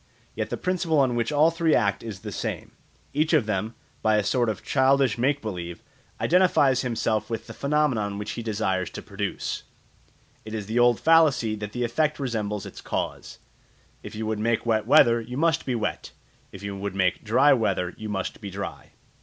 Yet the principle on which all three act is the same; each of them, by a sort of childish make believe, identifies himself with the phenomenon which he desires to produce. It is the old fallacy that the effect resembles its cause: if you would make wet weather, you must be wet; if you would make dry weather, you must be dry.